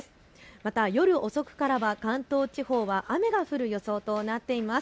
また夜遅くからは関東地方は雨が降る予想となっています。